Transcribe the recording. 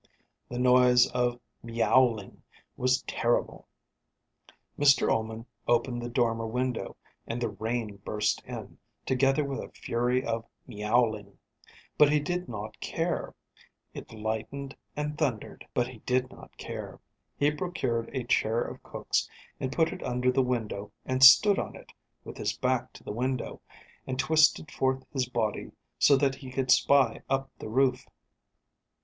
The noise of myowling was terrible. Mr Ullman opened the dormer window, and the rain burst in, together with a fury of myowling. But he did not care. It lightened and thundered. But he did not care. He procured a chair of cook's and put it under the window and stood on it, with his back to the window, and twisted forth his body so that he could spy up the roof.